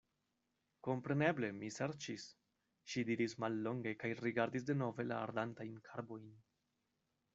Kompreneble, mi ŝercis, ŝi diris mallonge kaj rigardis denove la ardantajn karbojn.